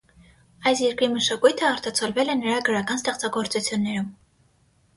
Այս երկրի մշակույթը արտացոլվել է նրա գրական ստեղծագործություններում։